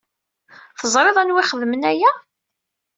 Teẓriḍ anwa i ixedmen aya?